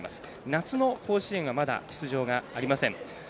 夏の甲子園はまだ出場はありません。